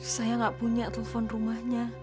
saya nggak punya telepon rumahnya